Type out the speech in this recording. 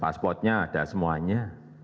passportnya ada semuanya